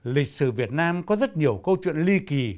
lịch sử việt nam có rất nhiều câu chuyện ly kỳ